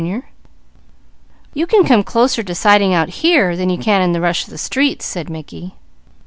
"You can come closer deciding out here, than you can in the rush of the streets," said Mickey.